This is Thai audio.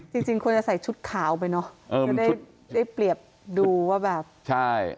จริงจริงควรจะใส่ชุดขาวไปเนอะจะได้ได้เปรียบดูว่าแบบใช่